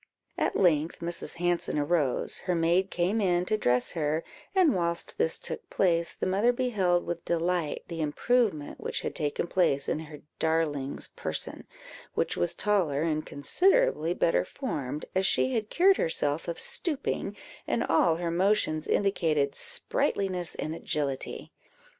At length Mrs. Hanson arose; her maid came in to dress her, and whilst this took place, the mother beheld with delight the improvement which had taken place in her darling's person, which was taller, and considerably better formed, as she had cured herself of stooping, and all her motions indicated sprightliness and agility.